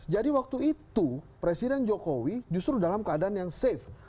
jadi waktu itu presiden jokowi justru dalam keadaan yang safe